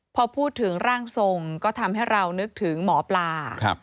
พอพูดถึงร่างทรงก็ทำให้เรานึกถึงหมอปลา